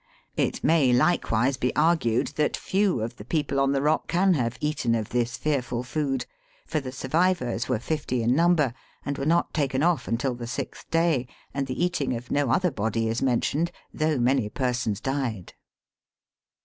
It may likewise be argued that few of the people on the rock can have eaten of this tearful food; for, the survivors were fifty in number, and were not taken off until the sixth day and the eating of no other body is mentioned, though many per died.